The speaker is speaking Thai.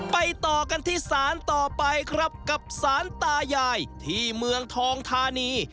ต่อกันที่ศาลต่อไปครับกับสารตายายที่เมืองทองธานี